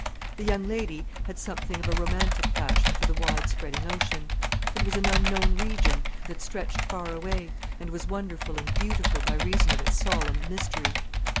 The young lady had something of a romantic passion for the wide spreading ocean. It was an unknown region, that stretched far away, and was wonderful and beautiful by reason of its solemn mystery.